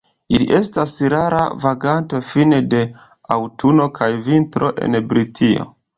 Ili estas rara vaganto fine de aŭtuno kaj vintro en Britio.